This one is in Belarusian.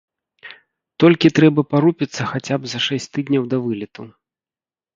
Толькі трэба парупіцца хаця б за шэсць тыдняў да вылету.